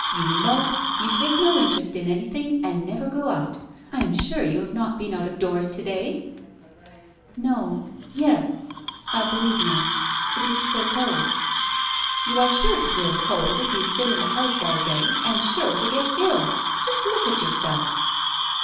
You mope, you take no interest in any thing, you never go out — I am sure you have not been out of doors to day ?" "No — yes — I believe not. It is so cold." "You are sure to feel the cold if you sit in the house all day, and sure to get ill ! Just look at yourself